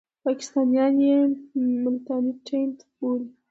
پاکستانیان یې ملتانی ټېنټ بولي.